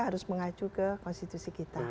harus mengacu ke konstitusi kita